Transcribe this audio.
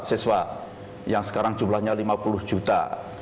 siswa yang sekarang jumlahnya lima puluh juta